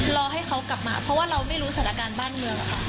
รอให้เขากลับมาเพราะว่าเราไม่รู้สถานการณ์บ้านเมืองค่ะ